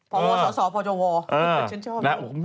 พวสวสพจวฉันชอบ